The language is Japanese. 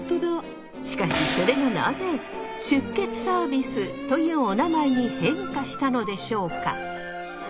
しかしそれがなぜ出血サービスというおなまえに変化したのでしょうか？